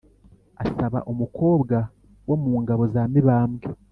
asaba umukobwa wo mu ngabo za Mibambwe